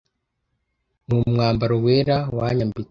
N’umwambaro wera wanyambitse